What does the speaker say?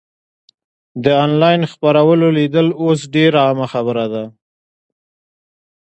د انلاین خپرونو لیدل اوس ډېره عامه خبره ده.